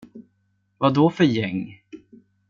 Vad då för gäng?